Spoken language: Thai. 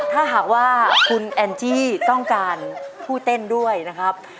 ถ้าหากว่าคุณแอนจี้ต้องการผู้เต้นด้วยนะครับ